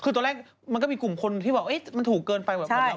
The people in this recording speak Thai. คือตอนแรกมันก็มีกลุ่มคนที่บอกมันถูกเกินไปแบบหมด